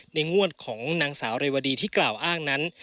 งวดของนางสาวเรวดีที่กล่าวอ้างนั้น